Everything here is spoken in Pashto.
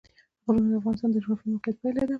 غرونه د افغانستان د جغرافیایي موقیعت پایله ده.